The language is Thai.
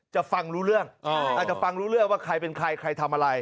จะฟังรู้เรื่องอาจจะฟังรู้เรื่องว่าใครเป็นใครใครทำอะไร